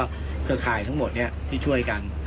แล้วก็เครื่องคลายทั้งหมดที่ช่วยกัน